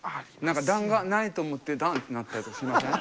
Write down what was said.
段がないと思ってダンってなったりしません？